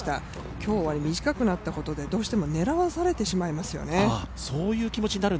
今日は短くなったことで、どうしても狙わされてしまいますよね。